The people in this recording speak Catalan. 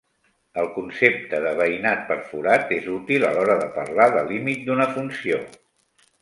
El concepte de veïnat perforat és útil a l'hora de parlar de límit d'una funció.